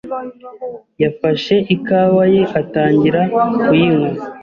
yafashe ikawa ye atangira kuyinywa.